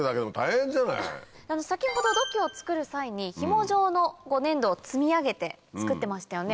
先ほど土器を作る際にひも状の粘土を積み上げて作ってましたよね。